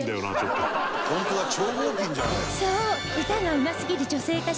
そう歌がうますぎる女性歌手